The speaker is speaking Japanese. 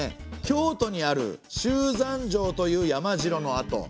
京都にある周山城という山城の跡。